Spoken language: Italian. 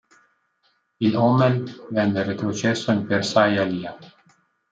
Il Homel' venne retrocesso in Peršaja Liha.